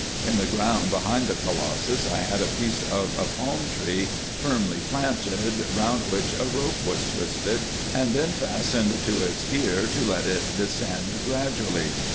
In the ground behind the colossus I had a piece of a palm tree firmly planted, round which a rope was twisted, and then fastened to its car, to let it descend gradually.